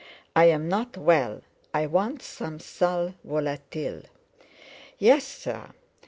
"I'm not well, I want some sal volatile." "Yes, sir."